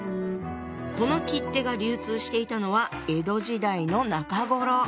この切手が流通していたのは江戸時代の中頃。